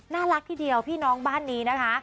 น่ารักทีเดียวพี่น้องบ้านนี้นะคะ